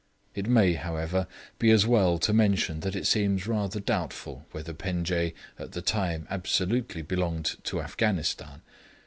It may, however, be as well to mention that it seems rather doubtful whether Penjdeh at the time absolutely belonged to Afghanistan.